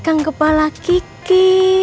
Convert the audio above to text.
pegang kepala kiki